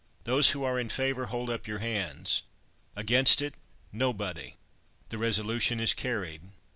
Those who are in favour, hold up your hands! Against it, nobody. The resolution is carried."